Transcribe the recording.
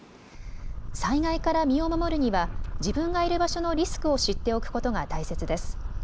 災害から身を守るには自分がいる場所のリスクを知っておくことが大切です。